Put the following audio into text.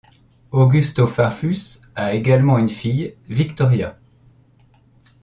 Augusto Farfus a également une fille, Victoria.